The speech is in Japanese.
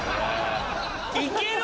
いける！？